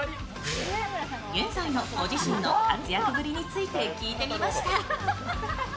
現在のご自身の活躍ぶりについて聞いてみました。